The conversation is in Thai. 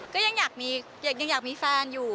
ก็ยังอยากมีแฟนอยู่อย่างนี้ค่ะ